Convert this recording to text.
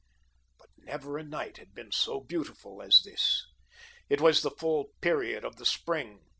But never a night had been so beautiful as this. It was the full period of the spring.